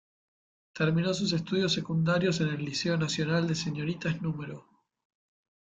Terminó sus estudios secundarios en el Liceo Nacional de Señoritas Nro.